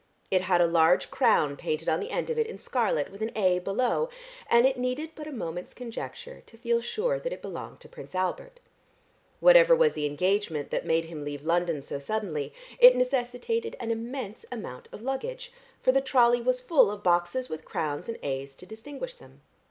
It had a large crown painted on the end of it in scarlet, with an "A" below, and it needed but a moment's conjecture to feel sure that it belonged to Prince Albert. Whatever was the engagement that made him leave London so suddenly, it necessitated an immense amount of luggage, for the trolley was full of boxes with crowns and As to distinguish them.